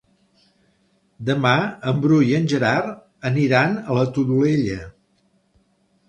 Demà en Bru i en Gerard aniran a la Todolella.